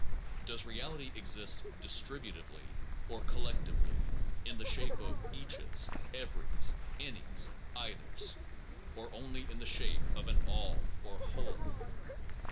Does reality exist dis tributively? or collectively? in the shape of eaches, every s, anys, eithers? or only in the shape of an all or whole?